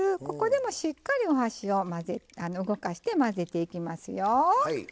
ここでもしっかりお箸を動かして混ぜていきますよ。